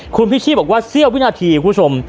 คุณพิชชี่บอกว่าเสี้ยววินาทีคุณผู้ชม